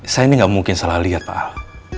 saya ini gak mungkin salah liat pak al